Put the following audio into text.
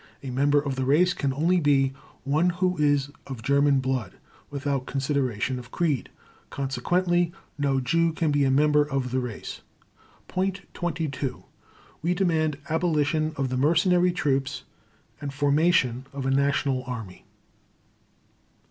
A member of the race can only be one who is of German blood, without consideration of creed. Consequently no Jew can be a member of the race .... Point 22. We demand abolition of the mercenary troops and formation of a national army."